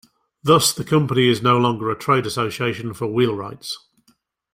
Thus, the Company is no longer a trade association for wheelwrights.